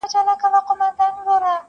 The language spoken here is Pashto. د يوه سود د بل زيان.